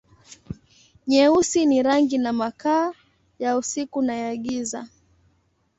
Nyeusi ni rangi na makaa, ya usiku na ya giza.